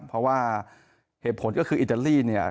เพราะว่าเหตุผลก็คืออิตาลีเนี่ย